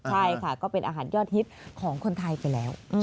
ใช่ค่ะก็เป็นอาหารยอดฮิตของคนไทยไปแล้ว